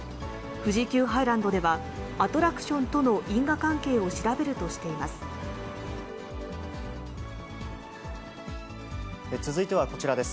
富士急ハイランドでは、アトラクションとの因果関係を調べるとし続いてはこちらです。